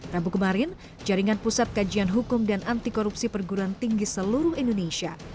rambu kemarin jaringan pusat kajian hukum dan antikorupsi perguruan tinggi seluruh indonesia